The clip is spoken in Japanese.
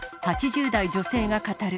８０代女性が語る。